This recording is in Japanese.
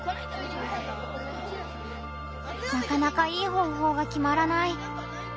なかなかいい方法が決まらない。